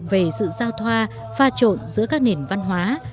về sự giao thoa pha trộn giữa các nền văn hóa